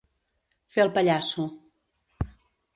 Fer el pallasso.